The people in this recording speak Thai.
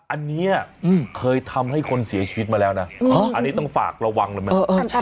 อันนี้เคยทำให้คนเสียชีวิตมาแล้วนะอันนี้ต้องฝากระวังเลยไหม